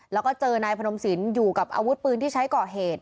แล้วก็เจอนายพนมสินอยู่กับอาวุธปืนที่ใช้ก่อเหตุ